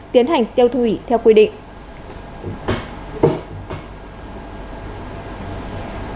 tiến hành tiêu thủy theo quy định